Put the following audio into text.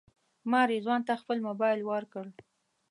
ما رضوان ته خپل موبایل ورکړ.